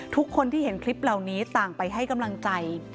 ทุกคนที่เห็นคลิปเหล่านี้ต่างไปให้กำลังใจ